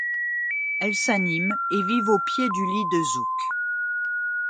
Elles s'animent et vivent au pied du lit de Zouk.